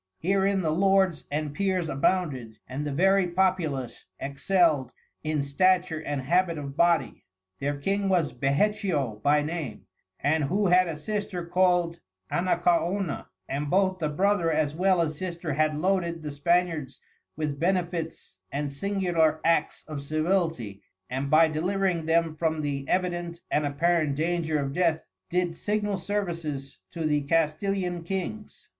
Herein the Lords and Peers abounded, and the very Populace excelled in in stature and habit of Body: Their King was Behechio by name and who had a Sister called Anacaona, and both the Brother as well as Sister had loaded the Spaniards with Benefits and singular acts of Civility, and by delivering them from the evident and apparent danger of Death, did signal services to the Castilian Kings.